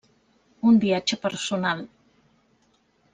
Un viatge personal.